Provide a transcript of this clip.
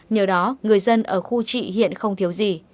nhờ đó người dân ở khu trị hiện không thiếu gì